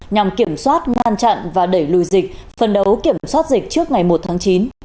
nhằm kiểm soát ngăn chặn và đẩy lùi dịch phân đấu kiểm soát dịch trước ngày một tháng chín